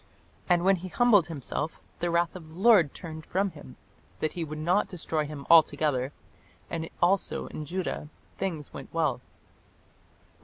"And when he humbled himself, the wrath of the Lord turned from him, that he would not destroy him altogether: and also in Judah things went well."